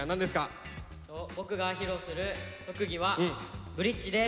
僕が披露する特技はブリッジです。